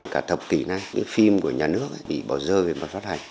cả thập kỷ này phim của nhà nước bị bỏ rơ về mặt phát hành